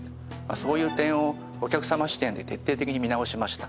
そういう点をお客様視点で徹底的に見直しました。